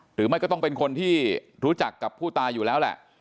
หรือไม่ก็ต้องเป็นคนที่รู้จักกับผู้ตายอยู่แล้วแหละ